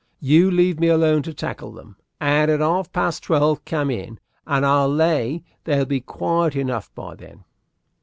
You leave me alone to tackle them, and at half past twelve come in, and I'll lay they'll be quiet enough by then."